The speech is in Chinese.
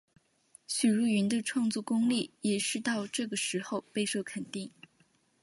许茹芸的创作功力也是到这个时候备受肯定。